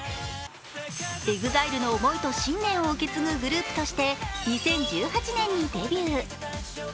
ＥＸＩＬＥの思いと信念を受け継ぐグループとして２０１８年にデビュー。